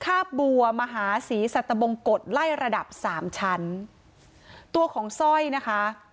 ภาพบัวมหาศรีสัตบงกฎไล่ระดับสามชั้นตัวของสร้อยนะคะ